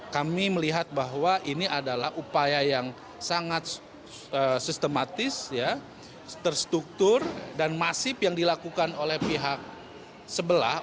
kami melihat bahwa ini adalah upaya yang sangat sistematis terstruktur dan masif yang dilakukan oleh pihak sebelah